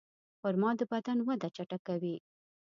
خرما د بدن وده چټکوي.